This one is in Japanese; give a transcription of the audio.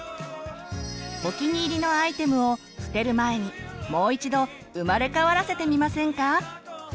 お気に入りのアイテムを捨てる前にもう一度生まれ変わらせてみませんか！